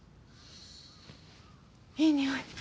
いいにおい。